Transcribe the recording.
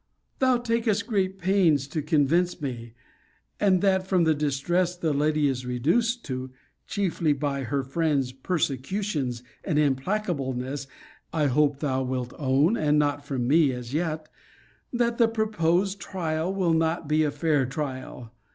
Thou takest great pains to convince me, and that from the distresses the lady is reduced to (chiefly by her friend's persecutions and implacableness, I hope thou wilt own, and not from me, as yet) that the proposed trial will not be a fair trial.